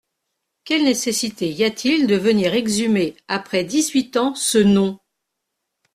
Quelle nécessité y a-t-il de venir exhumer après dix-huit ans ce nom ?…